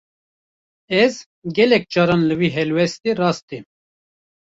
Ez, gelek caran li vê helwestê rast têm